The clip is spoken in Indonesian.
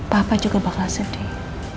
papa juga bakal sedih